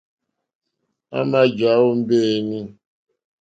À mà jàwó mbéǃéní.